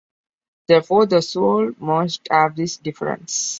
Therefore, the soul must have this difference.